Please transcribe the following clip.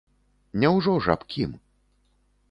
Няўжо ж аб кім?